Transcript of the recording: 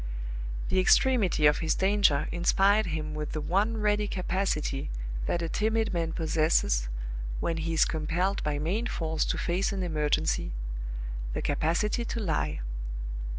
The extremity of his danger inspired him with the one ready capacity that a timid man possesses when he is compelled by main force to face an emergency the capacity to lie.